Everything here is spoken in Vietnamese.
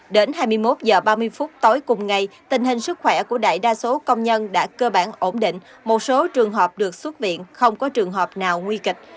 đến hai mươi một h ba mươi phút tối cùng ngày tình hình sức khỏe của đại đa số công nhân đã cơ bản ổn định một số trường hợp được xuất viện không có trường hợp nào nguy kịch